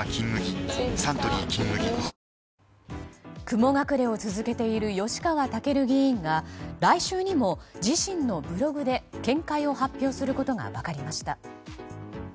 雲隠れを続けている吉川赳議員が来週にも自身のブログで見解を発表することが分かりました。